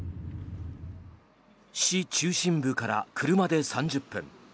市中心部から車で３０分。